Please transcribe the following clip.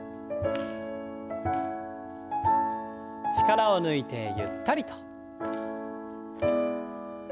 力を抜いてゆったりと。